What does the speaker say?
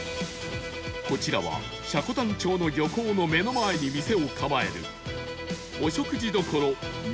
こちらは積丹町の漁港の目の前に店を構える